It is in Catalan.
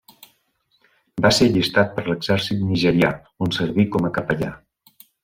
Va ser allistat per l'exèrcit nigerià, on serví com a capellà.